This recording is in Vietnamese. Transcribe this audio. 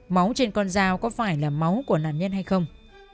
máu trên con dao có phải là máu của nạn nhân hay không